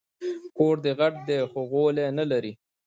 کور دي غټ دی خو غولی نه لري